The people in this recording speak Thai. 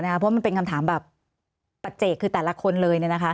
เพราะมันเป็นคำถามแบบปัจเจกคือแต่ละคนเลย